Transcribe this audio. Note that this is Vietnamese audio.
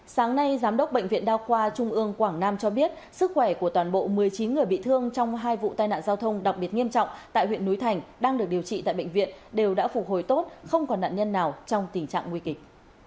sáng nay giám đốc bệnh viện đa khoa trung ương quảng nam cho biết sức khỏe của toàn bộ một mươi chín người bị thương trong hai vụ tai nạn giao thông đặc biệt nghiêm trọng tại huyện núi thành đang được điều trị tại bệnh viện đều đã phục hồi tốt không còn nạn nhân nào trong tình trạng nguy kịch